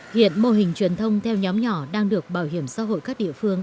hiện mô hình truyền thông theo nhóm nhỏ đang được bảo hiểm xã hội các địa phương